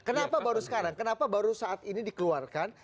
kenapa baru sekarang kenapa baru saat ini dikeluarkan